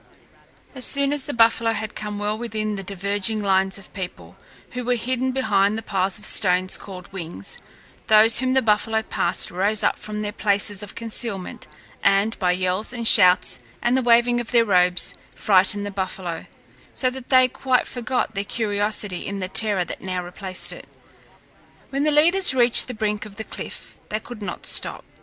As soon as the buffalo had come well within the diverging lines of people who were hidden behind the piles of stones called wings, those whom the buffalo passed rose up from their places of concealment, and by yells and shouts and the waving of their robes frightened the buffalo, so that they quite forgot their curiosity in the terror that now replaced it. When the leaders reached the brink of the cliff, they could not stop.